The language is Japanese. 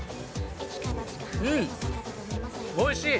うん、おいしい。